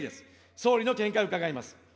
総理の見解を伺います。